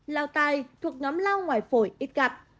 lao tai thuộc nhóm lao ngoài phổi ít gặp